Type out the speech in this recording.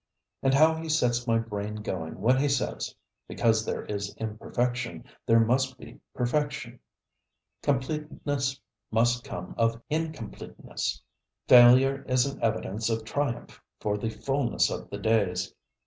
ŌĆØ And how he sets my brain going when he says, because there is imperfection, there must be perfection; completeness must come of incompleteness; failure is an evidence of triumph for the fulness of the days.